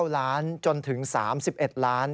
๙ล้านจนถึง๓๑ล้าน